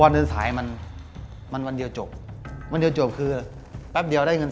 ซึ่งถ้าเราเปลี่ยนเกี่ยวกัน